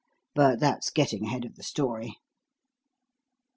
But that's getting ahead of the story.